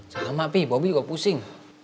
sama pi bobi juga pusing